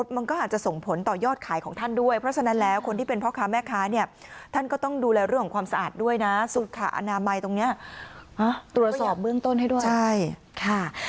มันก็น้อยลงแล้วก็อนาคต